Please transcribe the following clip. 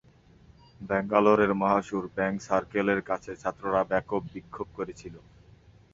ব্যাঙ্গালোরের মহীশূর ব্যাংক সার্কেলের কাছে ছাত্ররা ব্যাপক বিক্ষোভ করেছিল।